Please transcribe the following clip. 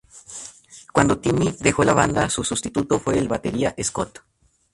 Cuando Timmy dejó la banda, su sustituto fue el batería Scott.